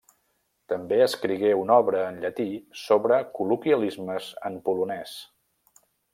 També escrigué una obra en llatí sobre col·loquialismes en polonès.